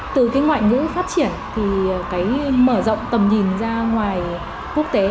từ cái ngoại ngữ phát triển thì cái mở rộng tầm nhìn ra ngoài quốc tế